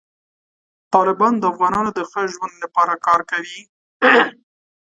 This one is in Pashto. طالبان د افغانانو د ښه ژوند لپاره کار کوي.